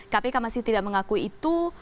kpk masih tidak mengakui itu